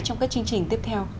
trong các chương trình tiếp theo